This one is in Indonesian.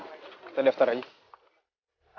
kita daftar aja